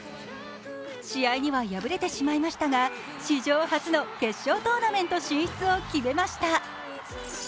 試合には敗れてしまいましたが、史上初の決勝トーナメント進出を決めました。